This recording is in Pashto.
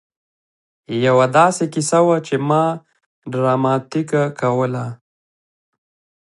يوه داسې کيسه وه چې ما ډراماتيکه کوله.